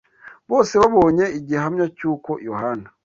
bose babonye igihamya cy’uko Yohana